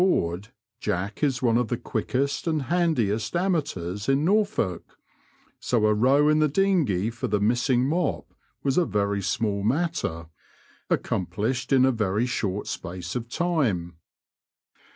77 board, Jack is one of the quickest and handiest amateurs in Norfolk, so a row in the dioghey for the missing mop was a very small matter, accomplished in a very short space of time.